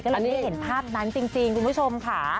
เราได้เห็นภาพนั้นจริงคุณผู้ชมค่ะ